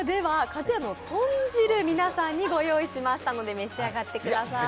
つやの豚汁、皆さんにご用意したので召し上がってください。